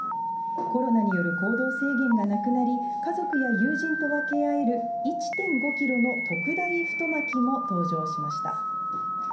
コロナによる行動制限がなくなり、家族や友人と分け合える、１．５キロの特大太巻きも登場しました。